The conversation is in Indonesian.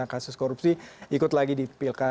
dan kasus korupsi ikut lagi di